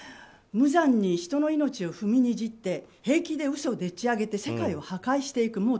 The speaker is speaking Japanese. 無残に人の命を踏みにじって平気で嘘をでっち上げて世界を破壊していく。